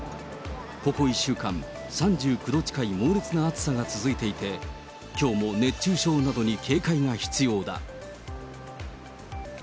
ここ１週間、３９度近い猛烈な暑さが続いていて、きょうも熱中症などに警戒が必要だ。